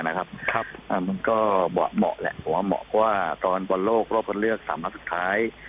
แต่ว่าคือเหมาะในวันโรคพันเรื่องสามพันธาวร์สุดท้าย